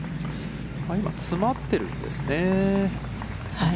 今、詰まっているんですね。